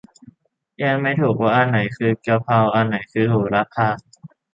แยกไม่ถูกว่าอันไหนคือ กะเพรา อันไหนคือ โหระพา